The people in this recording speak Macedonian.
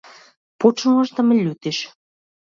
Почнуваш да ме лутиш.